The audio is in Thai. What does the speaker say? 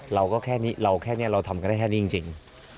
เราก็แค่นี้เราแค่นี้เราทำกันได้แค่นี้จริง